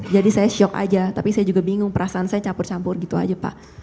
jadi saya shock aja tapi saya juga bingung perasaan saya campur campur gitu aja pak